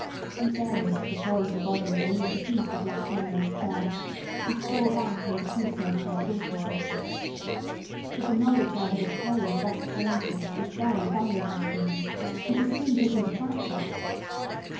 We buried the poor little body beneath a piece of luxuriant turf, and stole back into Cruces like guilty things. But the knowledge I had obtained thus strangely was very valuable to me, and was soon put into practice.